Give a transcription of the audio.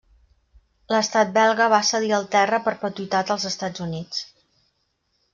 L'estat belga va cedir el terra a perpetuïtat als Estats Units.